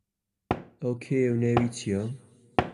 ئەو کێیە و ناوی چییە؟